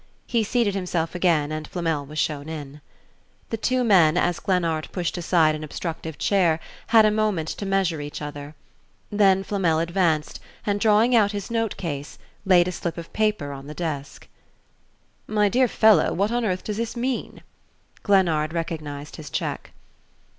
He seated himself again and Flamel was shown in. The two men, as Glennard pushed aside an obstructive chair, had a moment to measure each other; then Flamel advanced, and drawing out his note case, laid a slip of paper on the desk. "My dear fellow, what on earth does this mean?" Glennard recognized his check.